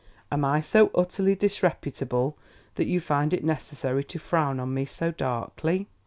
"Am I so utterly disreputable that you find it necessary to frown on me so darkly?"